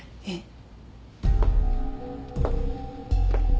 えっ。